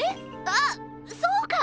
あっそうか。